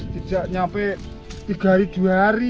tidak sampai tiga hari dua hari